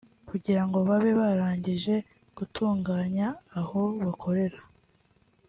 kugira ngo babe barangije gutunganya aho bakorera